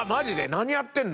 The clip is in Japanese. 何やってんの？